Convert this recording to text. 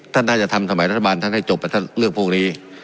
ท่านน่าจะทำสมัยรัฐบาลท่านให้จบเรื่องพวกนี้